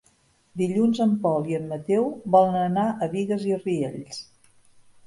Dilluns en Pol i en Mateu volen anar a Bigues i Riells.